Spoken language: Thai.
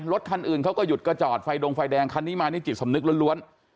รถคันอื่นเขาก็หยุดก็จอดไฟดงไฟแดงคันนี้มานี่จิตสำนึกล้วน